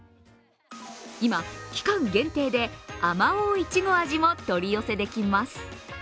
今、期間限定であまおう苺味も取り寄せできます。